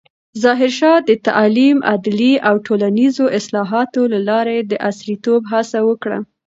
ظاهرشاه د تعلیم، عدلیې او ټولنیزو اصلاحاتو له لارې د عصریتوب هڅه وکړه.